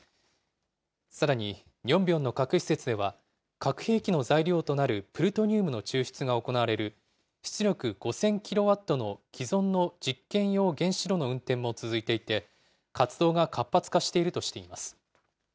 さらに、ニョンビョンの核施設では、核兵器の材料となるプルトニウムの抽出が行われる、出力５０００キロワットの既存の実験用原子炉の運転も続いていて、活動が活発化しているとしています。